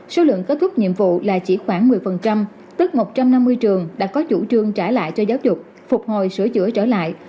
số lượng kết thúc nhiệm vụ là chỉ khoảng một mươi tức một trăm năm mươi trường đã có chủ trương trả lại cho giáo dục phục hồi sửa chữa trở lại